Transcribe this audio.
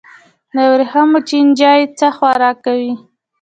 د وریښمو چینجی څه خوراک کوي؟